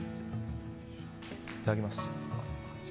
いただきます。